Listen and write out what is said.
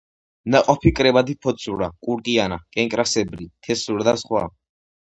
ნაყოფი კრებადი ფოთლურა, კურკიანა, კენკრასებრი, თესლურა და სხვა.